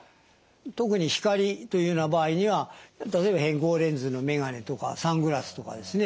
特に光というような場合には例えば偏光レンズの眼鏡とかサングラスとかですね